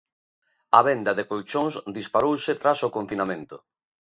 A venda de colchóns disparouse tras o confinamento.